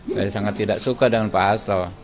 saya sangat tidak suka dengan pak hasto